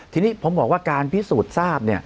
ทีนี้ผมบอกว่าการพิสูจน์ทราบ